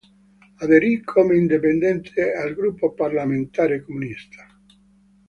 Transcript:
Aderì come indipendente al gruppo parlamentare comunista.